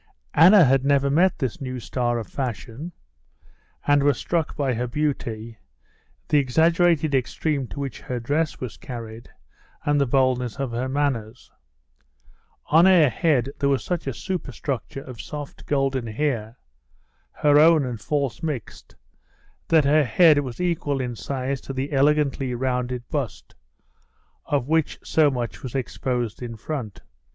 Anna had never met this new star of fashion, and was struck by her beauty, the exaggerated extreme to which her dress was carried, and the boldness of her manners. On her head there was such a superstructure of soft, golden hair—her own and false mixed—that her head was equal in size to the elegantly rounded bust, of which so much was exposed in front.